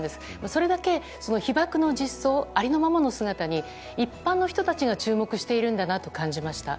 それだけ被爆の実相ありのままの姿に一般の人たちも注目しているんだなと感じました。